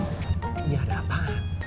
dia ada apa